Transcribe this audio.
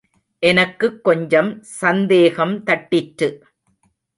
எனக்குக் கொஞ்சம் சந்தேகம் தட்டிற்று.